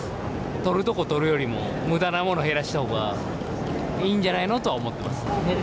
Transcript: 取るところ取るよりも、むだなもの減らしたほうがいいんじゃないのとは思ってます。